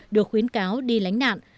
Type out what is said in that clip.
được khuyến cáo đi lánh nạn